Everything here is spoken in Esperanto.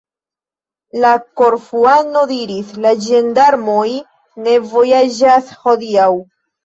La Korfuano diris: "La ĝendarmoj ne vojaĝas hodiaŭ."